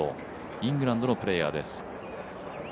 イングランドのプレーヤーです。